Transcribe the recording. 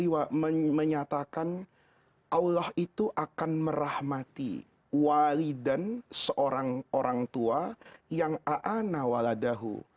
itu menyatakan allah itu akan merahmati waliden seorang orangtua yang a'a nawaladahu